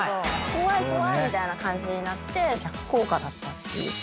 「怖い怖い」みたいな感じになって逆効果だったっていう説。